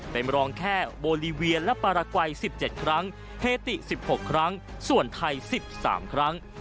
เป็นรองแค่โบลีเวียและปารากวัย๑๗ครั้งเฮติ๑๖ครั้งส่วนไทย๑๓ครั้ง